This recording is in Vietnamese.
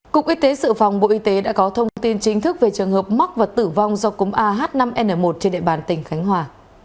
cục y tế sự phòng bộ y tế đã có thông tin chính thức về trường hợp mắc và tử vong do cúm ah năm n một trên địa bàn tỉnh khánh hòa